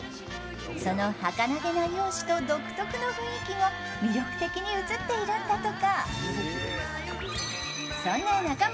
そのはかなげな容姿と独特の雰囲気が魅力的に映っているんだとか。